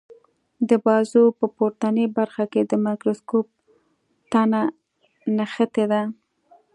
د بازو په پورتنۍ برخه کې د مایکروسکوپ تنه نښتې ده.